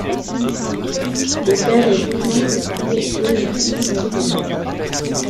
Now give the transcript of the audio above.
Le père et deux oncles furent eux aussi médecins.